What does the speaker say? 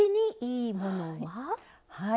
はい。